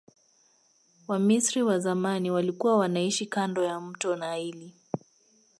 wamisri wa zamani walikua wanaishi kando ya mto naili